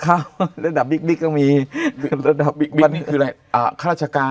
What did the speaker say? ครับระดับบิ๊กบิ๊กก็มีระดับบิ๊กบิ๊กนี่คืออะไรอ่าฆาตราชการ